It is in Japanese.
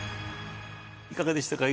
いかがでしたか？